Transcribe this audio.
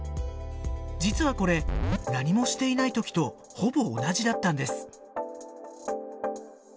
実はこれ何もしていない時とほぼ同じだったんです。